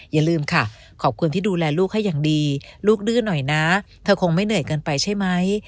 อย่าลืมค่ะขอบคุณที่ดูแลลูกให้อย่างดีลูกดื้อหน่อยนะเธอคงไม่เหนื่อยเกินไปใช่ไหม